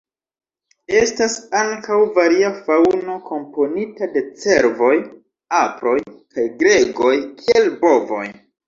Estas ankaŭ varia faŭno komponita de cervoj, aproj, kaj gregoj kiel bovoj.